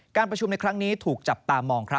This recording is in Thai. การประชุมในครั้งนี้ถูกจับตามองครับ